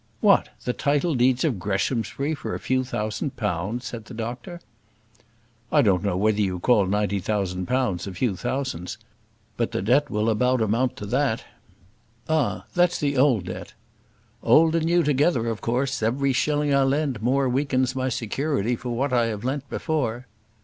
"What! the title deeds of Greshamsbury for a few thousand pounds?" said the doctor. "I don't know whether you call ninety thousand pounds a few thousands; but the debt will about amount to that." "Ah! that's the old debt." "Old and new together, of course; every shilling I lend more weakens my security for what I have lent before."